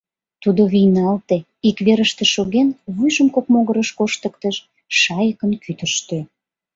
Тудо вийналте, ик верыште шоген, вуйжым кок могырыш коштыктыш, шайыкын кӱтыштӧ.